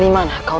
tidak tidak tidak